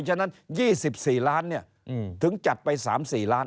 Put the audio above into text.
ฉะนั้น๒๔ล้านถึงจัดไป๓๔ล้าน